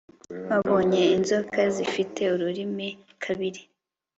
Wabonye inzoka zifite ururimi kabiri